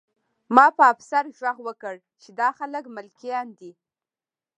ما په افسر غږ وکړ چې دا خلک ملکیان دي